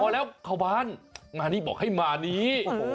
แล้วชาวบ้านมานี่บอกให้มานี้